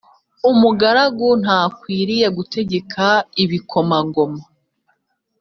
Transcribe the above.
umugaragu ntakwiriye gutegeka ibikomangoma